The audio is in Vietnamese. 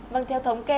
vâng theo thống kê